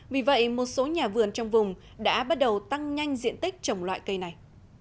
vì vậy một số nhà vườn trong vùng đã bắt đầu tăng nhanh diện tích trồng loại cây này